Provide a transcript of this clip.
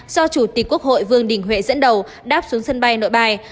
do chủ tịch quốc hội vương đình huệ dẫn đầu đáp xuống sân bay nội bài